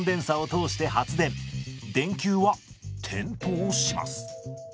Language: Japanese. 電球は点灯します。